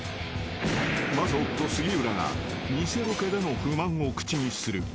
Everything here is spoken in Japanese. ［まず夫杉浦が偽ロケでの不満を口にする］